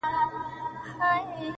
• لمر هم کمزوری ښکاري دلته تل,